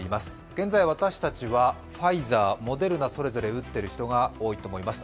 現在、私たちはファイザーモデルナ、それぞれ打っている方も思います。